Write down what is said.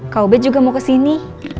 kak obet juga mau kesini